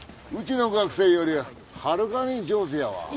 うちの学生よりはるかに上手やわ。